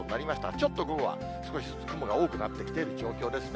ちょっと午後は、少しずつ雲が多くなってきている状況ですね。